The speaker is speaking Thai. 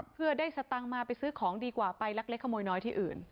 เพื่อได้สตังค์มาไปซื้อของดีกว่าไปลักเล็กขโมยน้อยที่อื่น